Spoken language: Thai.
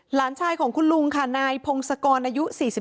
หลานชายของคุณลุงค่ะนายพงศกรอายุ๔๒